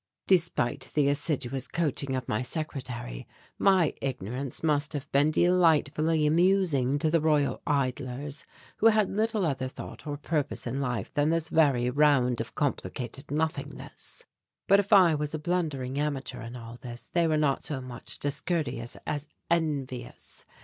Despite the assiduous coaching of my secretary, my ignorance must have been delightfully amusing to the royal idlers who had little other thought or purpose in life than this very round of complicated nothingness. But if I was a blundering amateur in all this, they were not so much discourteous as envious.